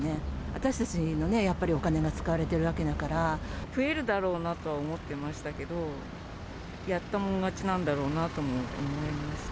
私たちのね、やっぱりお金が使わ増えるだろうなとは思ってましたけど、やったもん勝ちなんだろうなとも思います。